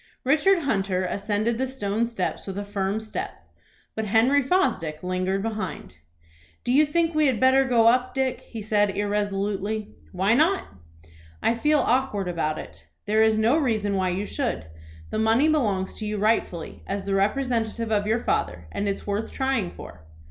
Richard Hunter ascended the stone steps with a firm step, but Henry Fosdick lingered behind. "Do you think we had better go up, Dick?" he said irresolutely. "Why not?" "I feel awkward about it." "There is no reason why you should. The money belongs to you rightfully, as the representative of your father, and it is worth trying for."